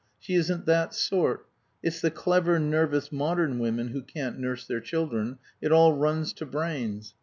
"She isn't that sort. It's the clever, nervous, modern women who can't nurse their children it all runs to brains.